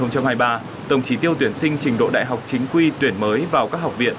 năm hai nghìn hai mươi ba tổng trí tiêu tuyển sinh trình độ đại học chính quy tuyển mới vào các học viện